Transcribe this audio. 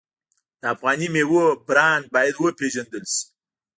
د افغاني میوو برنډ باید وپیژندل شي.